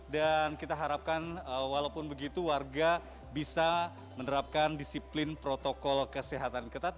dan kita harapkan walaupun begitu warga bisa menerapkan disiplin protokol kesehatan ketat